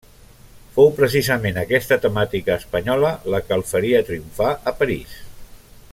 Fou precisament aquesta temàtica espanyola, la que el faria triomfar a París.